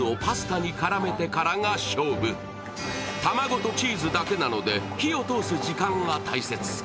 卵とチーズだけなので火を通す時間が大切。